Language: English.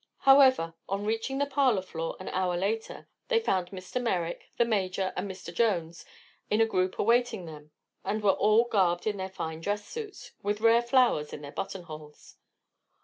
However, on reaching the parlor floor an hour later they found Mr. Merrick, the Major and Mr. Jones in a group awaiting them, and all were garbed in their dress suits, with rare flowers in their buttonholes.